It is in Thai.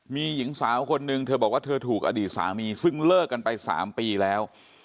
มีหญิงสาวคนนึงเธอบอกว่าเธอถูกอดีตสามีซึ่งเลิกกันไป๓ปีแล้ว